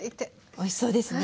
おいしそうですね。